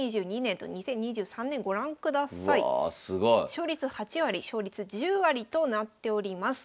勝率８割勝率１０割となっております。